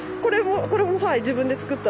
これも自分で作った。